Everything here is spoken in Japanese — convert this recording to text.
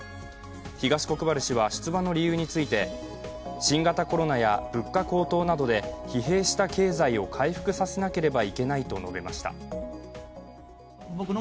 東国原氏は出馬の理由について新型コロナや物価高騰などで疲弊した経済を回復させなければいけないと述べました。